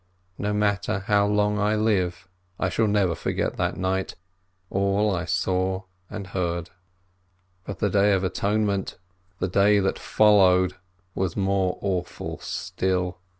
No matter how long I live, I shall never forget that night, and all I saw and heard. But the Day of Atonement, the day that followed, was more awful still.